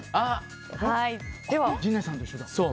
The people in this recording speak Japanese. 陣内さんと一緒だ。